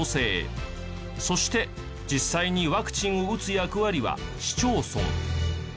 そして実際にワクチンを打つ役割は市町村。